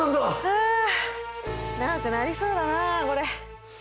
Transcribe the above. ふ長くなりそうだなこれ。